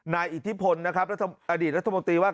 อิทธิพลนะครับอดีตรัฐมนตรีว่า